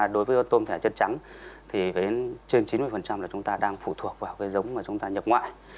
đối với tôm thẻ chân trắng trên chín mươi chúng ta đang phụ thuộc vào giống mà chúng ta nhập ngoại